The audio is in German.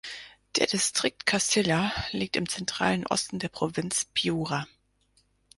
Der Distrikt Castilla liegt im zentralen Osten der Provinz Piura.